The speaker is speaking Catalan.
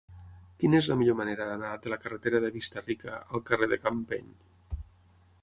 Quina és la millor manera d'anar de la carretera de Vista-rica al carrer de Campeny?